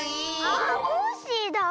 あコッシーだ！